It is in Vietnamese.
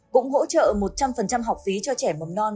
cũng hỗ trợ một trăm linh học phí cho trẻ mầm non